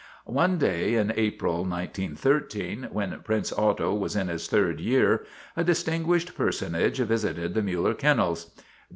One clay in April, 1913, when Prince Otto was in his third year, a distinguished personage visited the Miiller Kennels.